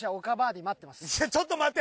ちょっと待って！